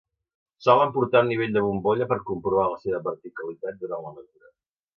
Solen portar un nivell de bombolla per comprovar la seva verticalitat durant la mesura.